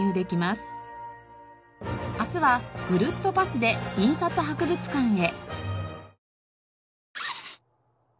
明日はぐるっとパスで印刷博物館へ。